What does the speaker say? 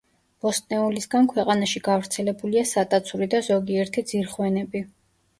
ბოსტნეულისგან ქვეყანაში გავრცელებულია სატაცური და ზოგიერთი ძირხვენები.